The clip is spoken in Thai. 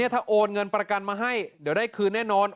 ถ้าโอนเงินประกันมาให้เดี๋ยวได้คืนแน่นอน